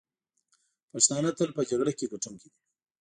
پښتانه تل په جګړه کې ګټونکي دي.